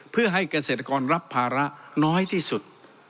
เพื่อให้เกษตรกรรับภาระน้อยที่สุด